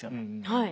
はい。